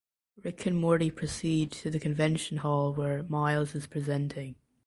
Rick and Morty proceed to the convention hall where Miles is presenting.